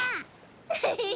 ウフフフ。